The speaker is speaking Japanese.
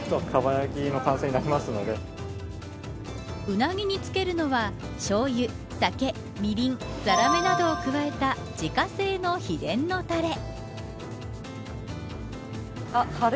ウナギにつけるのはしょうゆ、酒、みりんザラメなどを加えた自家製の秘伝のタレ。